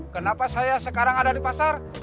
kenapa saya sekarang ada di pasar